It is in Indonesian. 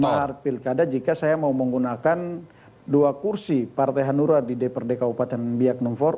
menghalar pilkada jika saya mau menggunakan dua kursi partai hanura di dprd kabupaten biak numfor